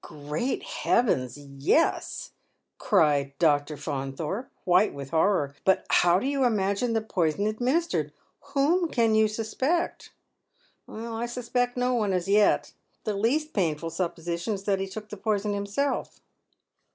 " Great Heaven, yes 1 " cries Dr. Faunthorpe, white with horror. " But how do you imagine the poison administered ? Whom can you suspect ?"" 1 suspect no one as yet. The least painful supposition is that he took the poison himself."